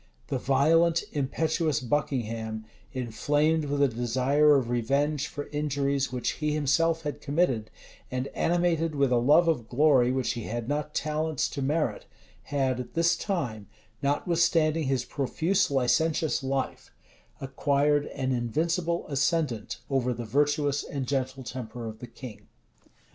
The violent, impetuous Buckingham, inflamed with a desire of revenge for injuries which he himself had committed, and animated with a love of glory which he had not talents to merit, had at this time, notwithstanding his profuse licentious life, acquired an invincible ascendant over the virtuous and gentle temper of the king.